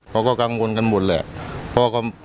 เขาก็กังวลกันหมดแหละ